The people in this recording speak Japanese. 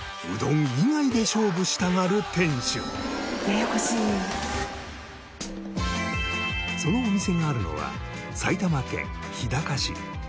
「ややこしい」そのお店があるのは埼玉県日高市。